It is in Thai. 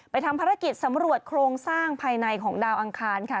ทำภารกิจสำรวจโครงสร้างภายในของดาวอังคารค่ะ